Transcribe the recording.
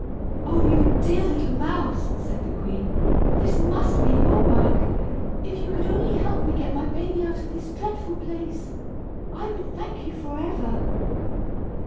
"Oh! you dear little mouse," said the queen. "This must be your work! If you could only help me to get my baby out of this dreadful place, I would thank you forever."